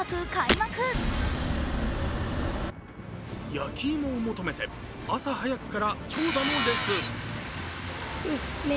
焼き芋を求めて朝早くから長蛇の列。